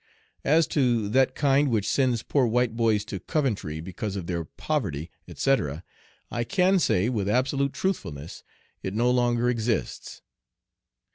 As to "that kind which sends poor white boys to Coventry," because of their poverty, etc., I can say with absolute truthfulness it no longer exists.